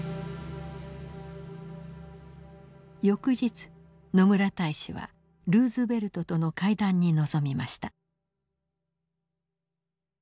翌日野村大使はルーズベルトとの会談に臨みました。